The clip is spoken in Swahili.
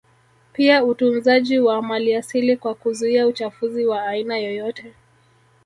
Pia utunzaji wa maliasili kwa kuzuia uchafuzi wa aina yoyote